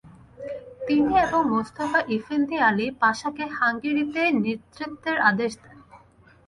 তিনি এবং Mustafa Efendi Ali পাশাকে হাঙ্গেরিতে নেতৃত্বের নির্দেশ দেন।